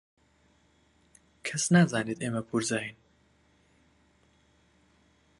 کەس نازانێت ئێمە پوورزاین.